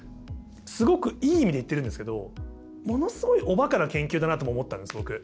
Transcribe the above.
すごくいい意味で言ってるんですけどものすごいおバカな研究だなとも思ったんです僕。